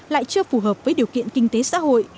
lại chưa phù hợp với điều kiện kinh tế xã hội